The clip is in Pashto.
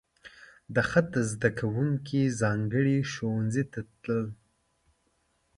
د خط زده کوونکي ځانګړي ښوونځي ته تلل.